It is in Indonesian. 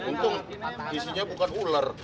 untung isinya bukan ular